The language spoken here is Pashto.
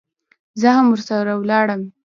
زه هم ورسره ولاړم.